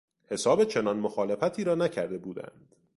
حساب چنان مخالفتی را نکرده بودند.